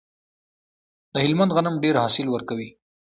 د هلمند غنم ډیر حاصل ورکوي.